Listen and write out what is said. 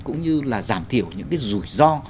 cũng như là giảm thiểu những cái rủi ro